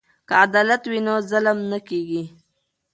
که عدالت وي نو ظلم نه کیږي.